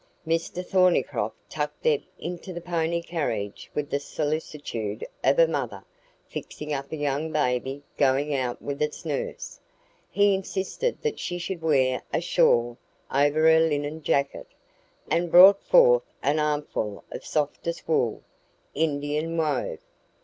Mr Thornycroft tucked Deb into the pony carriage with the solicitude of a mother fixing up a young baby going out with its nurse. He insisted that she should wear a shawl over her linen jacket, and brought forth an armful of softest WOOL, Indian wove.